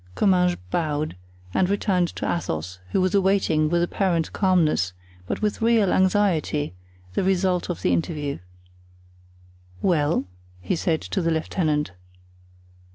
Comminges bowed, and returned to Athos, who was awaiting with apparent calmness, but with real anxiety, the result of the interview. "Well?" he said to the lieutenant.